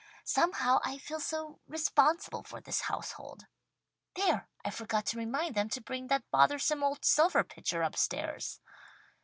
Somehow I feel so responsible for this household. There! I forgot to remind them to bring that bothersome old silver pitcher upstairs!"